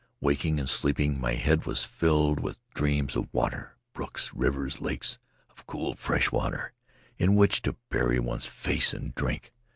Waking and sleeping, my head was filled with dreams of water, brooks, rivers, lakes of cool, fresh water, in which to bury one's face and drink.